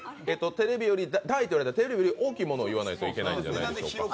テレビ大と言われたら、テレビより大きいものを言わないといけないんじゃないですか。